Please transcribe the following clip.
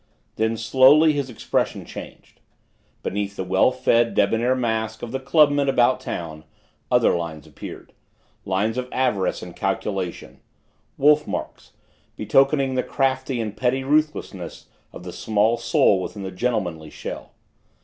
Then, slowly, his expression changed. Beneath the well fed, debonair mask of the clubman about town, other lines appeared lines of avarice and calculation wolf marks, betokening the craft and petty ruthlessness of the small soul within the gentlemanly shell.